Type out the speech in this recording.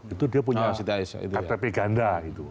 itu dia punya ktp ganda